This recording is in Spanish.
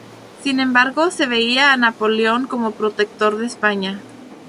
Sin embargo, se veía a Napoleón como protector de España.